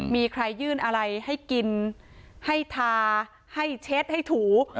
มีใครยื่นอะไรให้กินให้ทาให้เช็ดให้ถู